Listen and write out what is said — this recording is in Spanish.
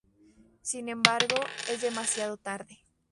Sin embargo, es demasiado tarde.